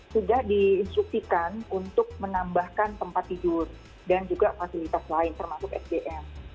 sudah diinstruksikan untuk menambahkan tempat tidur dan juga fasilitas lain termasuk sdm